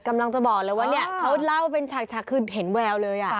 กำลังจะบอกเลยว่าเนี่ยเขาเล่าเป็นฉากคือเห็นแววเลย